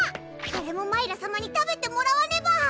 あれもマイラさまに食べてもらわねば！